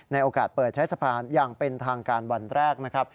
โอกาสเปิดใช้สะพานอย่างเป็นทางการวันแรกนะครับ